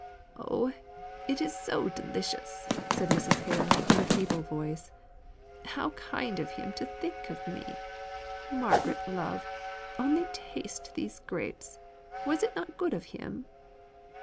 "Oh! it is so delicious!" said Mrs. Hale, in a feeble voice. "How kind of him to think of me! Margaret love, only taste these grapes! Was it not good of him?"